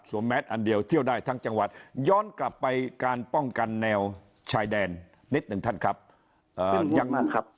แมสอันเดียวเที่ยวได้ทั้งจังหวัดย้อนกลับไปการป้องกันแนวชายแดนนิดหนึ่งท่านครับยังมากครับ